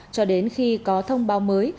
cho đến khi có thông báo mới